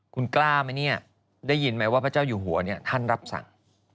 คุณกล้าไหมเนี่ยได้ยินไหมว่าพระเจ้าอยู่หัวเนี่ยท่านรับสั่ง